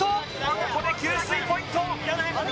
ここで給水ポイント